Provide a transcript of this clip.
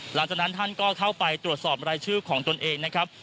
หลังจากนั้นท่านก็เข้าไปตรวจสอบรายชื่อของตนเองนะครับ